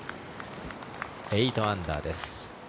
８アンダーです。